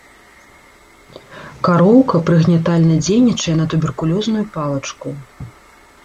Кароўка прыгнятальна дзейнічае на туберкулёзную палачку.